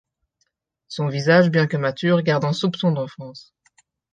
Son visage, bien que mature, garde un soupçon d’enfance.